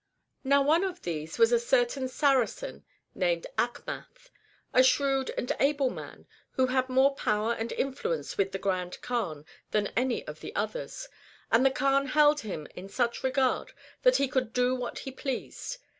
Now one of these was a certain Saracen named Achmath, a shrewd and able man, who had more power and influence with the Grand Kaan than any of the others ; and the Kaan held him in such regard that he could do what he pleased.